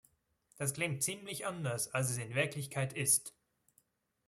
Das klingt ziemlich anders als es ist in Wirklichkeit ist!